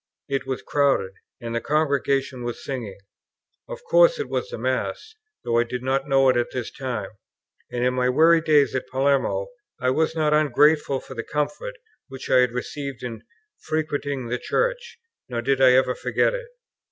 It was crowded, and the congregation was singing. Of course it was the mass, though I did not know it at the time. And, in my weary days at Palermo, I was not ungrateful for the comfort which I had received in frequenting the churches; nor did I ever forget it.